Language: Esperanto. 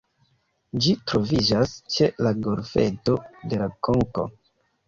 Ĝi troviĝas ĉe la Golfeto de La Konko.